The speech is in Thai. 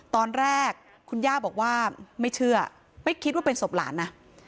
ตอนแรกคุณย่าบอกว่าไม่เชื่อไม่คิดว่าเป็นศพหลานนะ